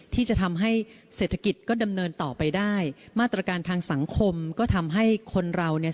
ที่จะทำให้เศรษฐกิจก็ดำเนินต่อไปได้มาตรการทางสังคมก็ทำให้คนเราเนี่ย